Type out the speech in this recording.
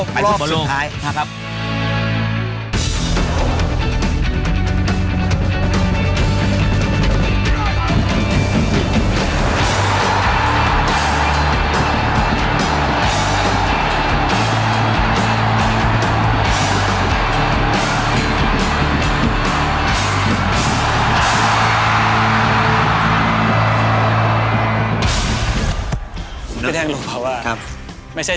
ไปเป็นบอร์นโลกรอบสุดท้าย